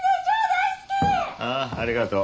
ああありがとう。